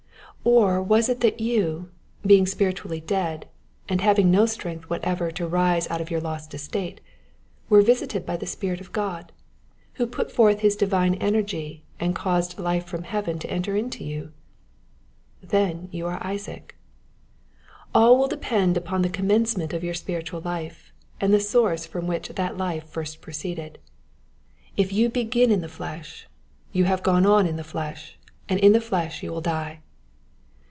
Or was it that you, being spiritually dead, and having no strength whatever to rise out of your lost estate, were visited by the Spirit of God, who put forth his divine energy, and caused life from heaven to enter into you ? Then you are Isaac. All will depend upon the commence ment of your spiritual life, and the source from which that life first proceeded. If you began in the flesh, you have gone on in the flesh, and in the flesh you will die.